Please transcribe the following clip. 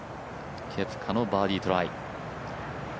ケプカのバーディートライ。